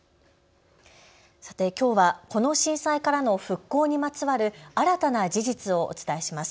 さて、きょうはこの震災からの復興にまつわる新たな事実をお伝えします。